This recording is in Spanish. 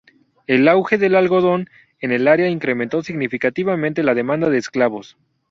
El auge del algodón en el área incrementó significativamente la demanda de esclavos.